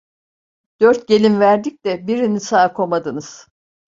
Dört gelin verdik de birini sağ komadınız…